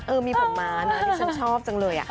เออมีผมมานะที่ฉันชอบจังเลย